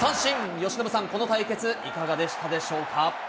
由伸さん、この対決、いかがでしたでしょうか。